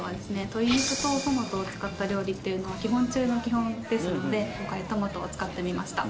鶏肉とトマトを使った料理っていうのは基本中の基本ですので今回トマトを使ってみました。